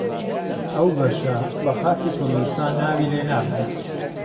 ئەو بەشە بە خاکی کوردستان ناوی لێنابەن